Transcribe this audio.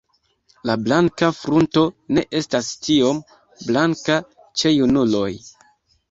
La blanka frunto ne estas tiom blanka ĉe junuloj.